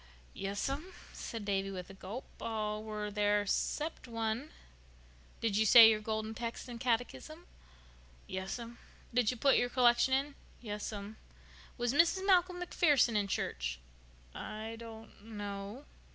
"Yes'm," said Davy with a gulp. "All were there—'cept one." "Did you say your Golden Text and catechism?" "Yes'm." "Did you put your collection in?" "Yes'm." "Was Mrs. Malcolm MacPherson in church?" "I don't know."